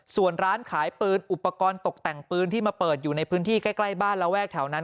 ส่วนร้านขายปืนอุปกรณ์ตกแต่งปืนที่มาเปิดอยู่ในพื้นที่ใกล้บ้านระแวกแถวนั้น